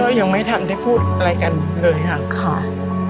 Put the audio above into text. ยังไม่ทันได้พูดอะไรกันเลยค่ะ